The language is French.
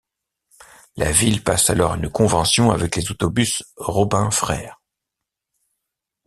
La ville passe alors une convention avec les Autobus Robin Frères.